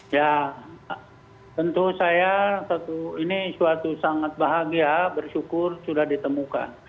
ya tentu saya ini suatu sangat bahagia bersyukur sudah ditemukan